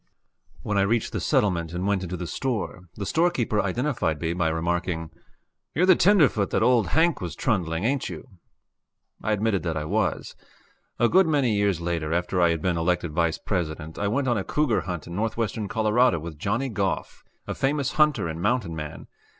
When I reached the settlement and went into the store, the storekeeper identified me by remarking: "You're the tenderfoot that old Hank was trundling, ain't you?" I admitted that I was. A good many years later, after I had been elected Vice President, I went on a cougar hunt in northwestern Colorado with Johnny Goff, a famous hunter and mountain man.